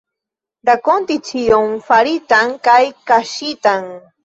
Rakonti ĉion faritan kaj kaŝitan.